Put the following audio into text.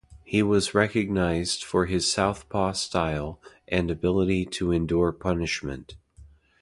He was recognized for his southpaw style and ability to endure punishment.